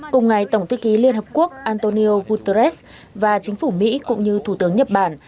cùng ngày tổng thư ký liên hợp quốc antonio guterres và chính phủ mỹ cũng như thủ tướng nhật bản